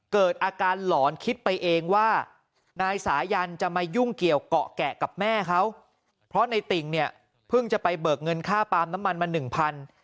เกิดอาการหลอนคิดไปเองว่านายสายันจะมายุ่งเกี่ยวเกาะแกะกับแม่เขาเพราะในติ่งเนี่ยเพิ่งจะไปเบิกเงินค่าปาล์มน้ำมันมาหนึ่งพัน